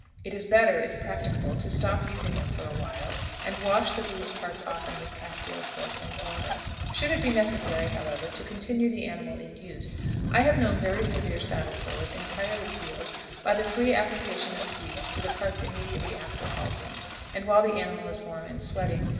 It is better, if practicable, to stop using them for a while, and wash the bruised parts often with castile soap and water. Should it be necessary, however, to continue the animal in use, I have known very severe sores entirely healed by the free application of grease to the parts immediately after halting, and while the animal is warm and sweating.